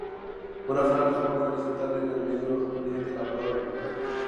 Una franja roja horizontal en el medio contiene la palabra "Rivera".